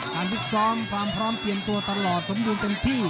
การพรุ่งซ้อมความพร้อมเปลี่ยนตัวตลอดสมบูรณ์เป็นที่